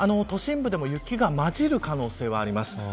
都心部でも雪がまじる可能性はあります。